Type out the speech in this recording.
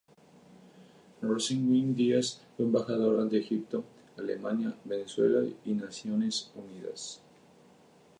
Rosenzweig-Díaz fue embajador ante Egipto, Alemania, Venezuela y Naciones Unidas.